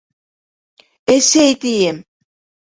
Әсәй, тием!